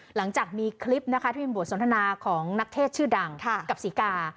หลังจากมีคลิปนะคะที่เป็นบทสนทนาของนักเทศชื่อดังกับศรีกา